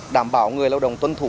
đảm bảo người lao động tuân thủ